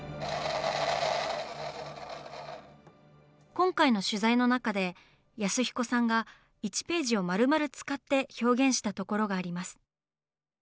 今回の取材の中で安彦さんが１ページを丸々使って表現したところがあります。